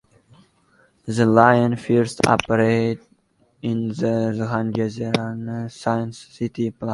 The line first appeared in the Zhangjiang Science City plan.